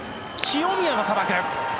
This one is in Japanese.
清宮がさばく。